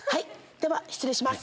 では失礼します。